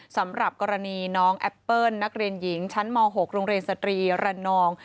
สำหรับกรณีน้องแอปเปิ้ลนักเรียนหญิงชั้นม๖โรงเรียนสตรีระนอง